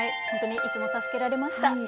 本当にいつも助けられました。